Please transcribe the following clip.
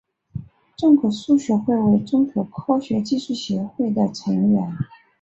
中国数学会为中国科学技术协会的成员。